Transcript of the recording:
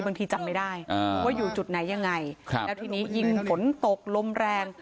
บางทีจำไม่ได้อ่าว่าอยู่จุดไหนยังไงครับแล้วทีนี้ยิ่งฝนตกล้มแรง